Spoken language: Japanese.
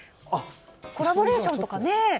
コラボレーションとかね。